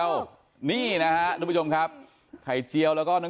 อยากให้ท่านเห็นไว้ก่อน